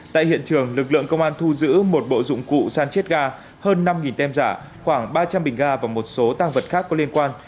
tại hiện trường lực lượng công an thu giữ một bộ dụng cụ san chiết ga hơn năm tem giả khoảng ba trăm linh bình ga và một số tăng vật khác có liên quan